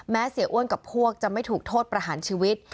เสียอ้วนกับพวกจะไม่ถูกโทษประหารชีวิต